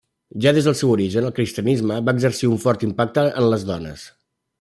Ja des del seu origen el cristianisme va exercir un fort impacte en les dones.